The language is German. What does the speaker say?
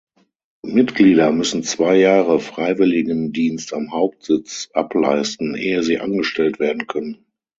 Mitglieder müssen zwei Jahre Freiwilligendienst am Hauptsitz ableisten ehe sie angestellt werden können.